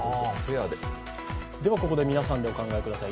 では、ここで皆さんでお考えください。